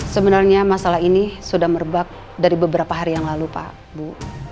sebenarnya masalah ini sudah merebak dari beberapa hari yang lalu pak bu